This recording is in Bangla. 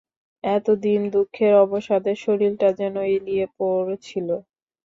এতদিন দুঃখের অবসাদে শরীরটা যেন এলিয়ে পড়ছিল।